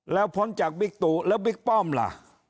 แล้วพ้นจากบิ๊กตูแล้วบิ๊กป้อมล่ะ